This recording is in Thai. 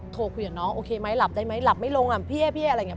โทรคุยกับน้องโอเคไหมหลับได้ไหมหลับไม่ลงอ่ะพี่อะไรอย่างนี้